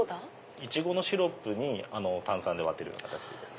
イチゴのシロップに炭酸で割ってるような形ですね。